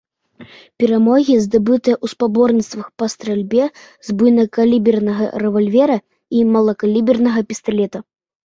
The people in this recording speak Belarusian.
Перамогі здабытыя ў спаборніцтвах па стральбе з буйнакалібернага рэвальвера і малакалібернага пісталета.